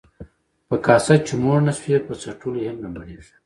ـ په کاسه چې موړ نشوې، په څټلو يې هم نه مړېږې.